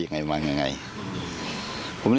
บางอย่างงงเหมือนกัน